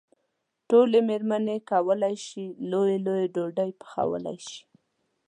ټولې مېرمنې کولای شي لويې لويې ډوډۍ پخولی شي.